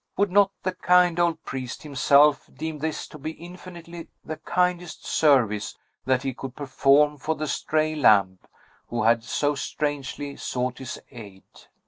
Would not the kind old priest, himself, deem this to be infinitely the kindest service that he could perform for the stray lamb, who had so strangely sought his aid?